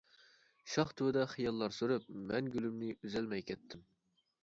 شاخ تۈۋىدە خىياللار سۈرۈپ، مەن گۈلۈمنى ئۈزۈلمەي كەتتىم.